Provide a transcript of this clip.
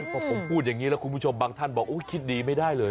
พอผมพูดอย่างนี้แล้วคุณผู้ชมบางท่านบอกคิดดีไม่ได้เลย